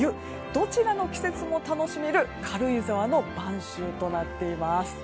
どちらの季節も楽しめる軽井沢の晩秋となっています。